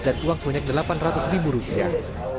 dan tuang sebanyak delapan ratus ribu rupiah